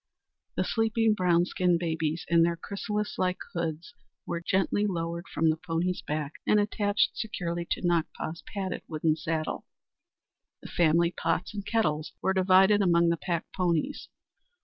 The sleeping brown skinned babies in their chrysalis like hoods were gently lowered from the pony's back and attached securely to Nakpa's padded wooden saddle. The family pots and kettles were divided among the pack ponies.